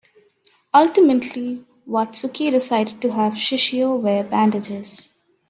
Ultimately Watsuki decided to have Shishio wear bandages.